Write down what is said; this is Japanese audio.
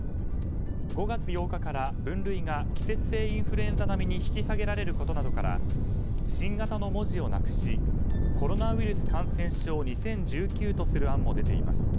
５月８日から分類が季節性インフルエンザ並みに引き下げられることなどから新型の文字をなくしコロナウイルス感染症２０１９とする案も出ています。